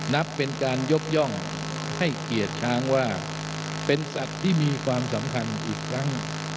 นับเป็นการยกย่องให้เกียรติช้างว่าเป็นสัตว์ที่มีความสำคัญอีกครั้ง